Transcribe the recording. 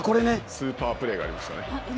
スーパープレーがありましたね。